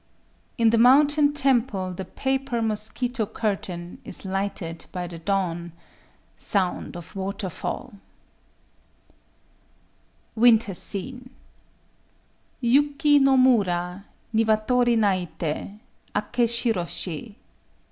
—"In the mountain temple the paper mosquito curtain is lighted by the dawn: sound of water fall." WINTER SCENE Yuki no mura; Niwatori naité; Aké shiroshi.